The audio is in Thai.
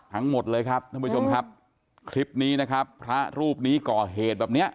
ทั้งหมดเลยครับท่านผู้ชมครับคลิปนี้นะครับพระรูปนี้ก่อเหตุแบบเนี้ย